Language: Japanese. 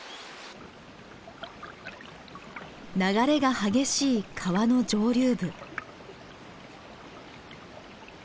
流れが激しい川の上流部。